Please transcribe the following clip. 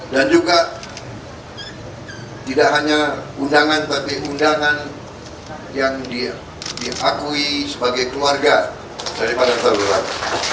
dan juga tidak hanya undangan tapi undangan yang diakui sebagai keluarga daripada terdorong